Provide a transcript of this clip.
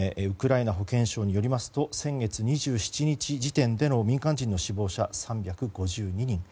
ウクライナ保健省によりますと先月２７日時点での民間人の死亡者は３５２人。